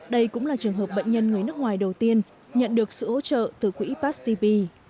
đây cũng là trường hợp bệnh nhân người nước ngoài đầu tiên nhận được sự hỗ trợ từ quỹ past tp